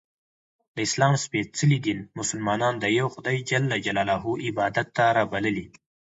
د اسلام څپېڅلي دین ملسلمانان د یوه خدایﷻ عبادت ته رابللي